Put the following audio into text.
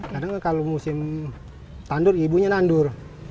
kadang kalau musim tandur ibunya nandur